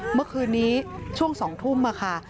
เมื่อคืนนี้ช่วง๒ทุ่มค่ะ